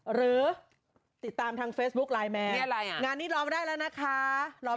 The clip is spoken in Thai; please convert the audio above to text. หรือติดตามทางเฟซบุ๊คไลน์แมนงานนี้ล้อมได้แล้วนะคะ